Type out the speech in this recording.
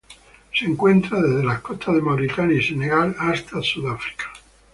Se encuentra desde las costas de Mauritania y Senegal hasta Sudáfrica.